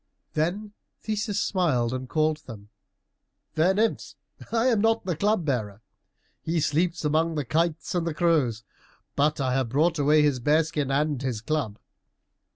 Then Theseus smiled and called them. "Fair nymphs, I am not the Club bearer. He sleeps among the kites and crows, but I have brought away his bear skin and his club."